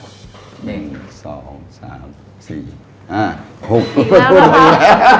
มาจริงนะครับคุณพุทธการ